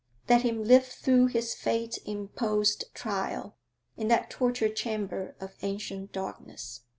Let him live through his fate imposed trial in that torture chamber of ancient darkness.